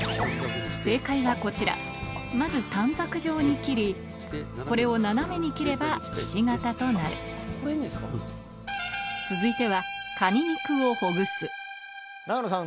正解はこちらまず短冊状に切りこれを斜めに切ればひし形となる続いては永野さん